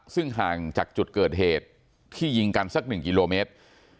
ซึ่งห่างจากจุดเกิดเหตุที่ยิงกันสัก๑กิโลเมตร